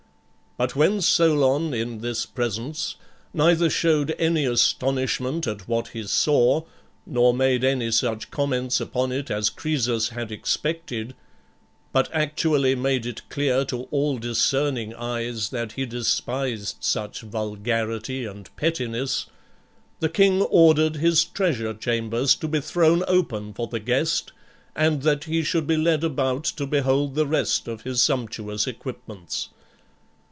But when Solon, in this presence, neither showed any astonishment at what he saw, nor made any such comments upon it as Croesus had expected, but actually made it clear to all discerning eyes that he despised such vulgarity and pettiness, the king ordered his treasure chambers to be thrown open for the guest, and that he should be led about to behold the rest of his sumptuous equipments.